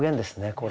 これ。